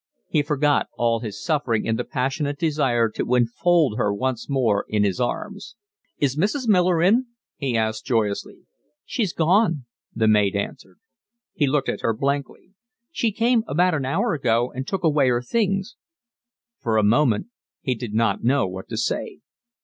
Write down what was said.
He forgot all his suffering in the passionate desire to enfold her once more in his arms. "Is Mrs. Miller in?" he asked joyously. "She's gone," the maid answered. He looked at her blankly. "She came about an hour ago and took away her things." For a moment he did not know what to say.